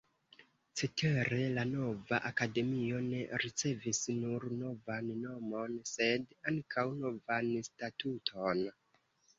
Cetere la nova Akademio ne ricevis nur novan nomon, sed ankaŭ novan statuton.